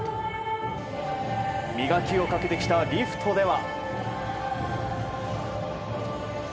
磨きをかけてきたリフトでは。